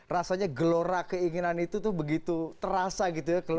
rasanya gelora keinginan itu tuh begitu terasa gitu ya